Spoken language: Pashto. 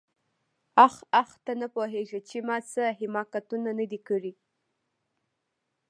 آخ آخ ته نه پوهېږې چې ما څه حماقتونه نه دي کړي.